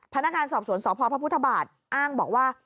พนักงานสอบสวนสพพระพุทธบาทอ้างบอกว่า